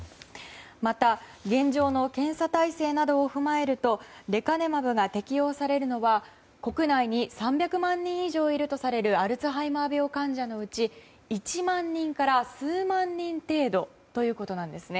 また、現状の検査体制などを踏まえるとレカネマブが適用されるのは国内に３００万人以上いるとされるアルツハイマー病患者のうち１万人から数万人程度ということなんですね。